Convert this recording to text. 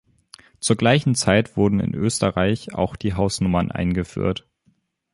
Zur gleichen Zeit wurden in Österreich auch die Hausnummern eingeführt.